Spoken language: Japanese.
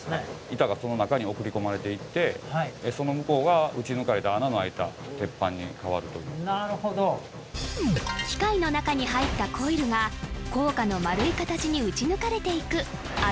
板がその中に送り込まれていってその向こうが打ち抜かれた穴の開いた鉄板に変わるというなるほど機械の中に入ったコイルが硬貨の丸い形に打ち抜かれていく圧